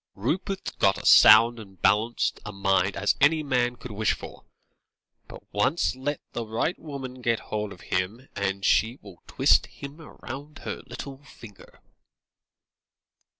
"Rupert's got as sound and balanced a mind as any man could wish for, but once let the right woman get hold of him, and she will twist him round her little finger."